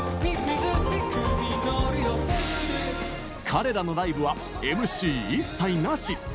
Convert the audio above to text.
彼らのライブはＭＣ一切なし！